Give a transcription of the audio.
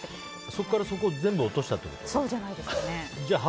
そこからそこ全部落としたってこと？